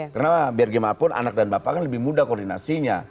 karena biar gimana pun anak dan bapak kan lebih mudah koordinasinya